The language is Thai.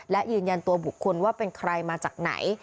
และยืนยันตัวบุคคลว่าเป็นใครมาจากไหน